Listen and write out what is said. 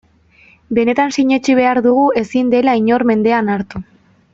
Benetan sinetsi behar dugu ezin dela inor mendean hartu.